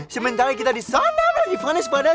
sementara kita disana lagi vanish pada sun